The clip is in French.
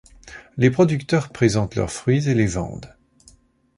Les producteurs présentent leurs fruits et les vendent.